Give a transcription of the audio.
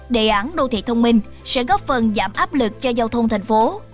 đề án đô thị thông minh sẽ góp phần giảm áp lực cho giao thông thành phố